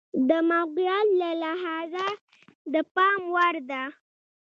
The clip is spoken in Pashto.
د موقعیت له لحاظه د پام وړ ده.